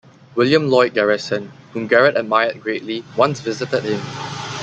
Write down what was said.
William Lloyd Garrison, whom Garrett admired greatly, once visited him.